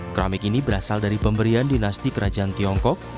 keramik ini berasal dari pemberian dinasti kerajaan tiongkok